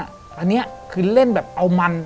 อันนี้คือเล่นแบบเอามัน